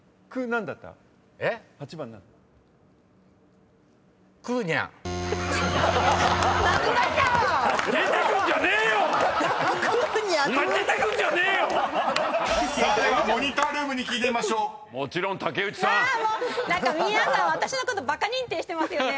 何か皆さん私のことバカ認定してますよね。